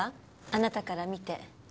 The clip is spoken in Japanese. あなたから見て。